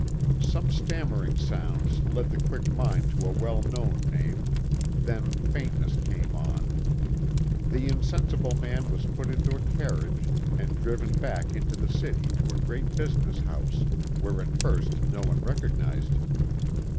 Some stammering sounds led the quick mind to a well known name, then faintness came on ; the insensible man was put into a carriage and driven back into the city to a great business house, where at first no one recognized him.